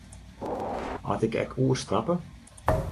Moat ik ek oerstappe?